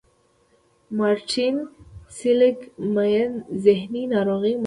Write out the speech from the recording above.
مارټين سېليګ مېن ذهني ناروغۍ مطالعه کړې دي.